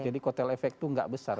kotel efek itu nggak besar